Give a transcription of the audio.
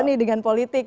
ada nih dengan politik